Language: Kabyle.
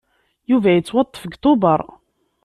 Yuba yettwaṭṭef deg Tubeṛ.